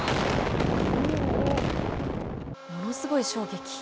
ものすごい衝撃。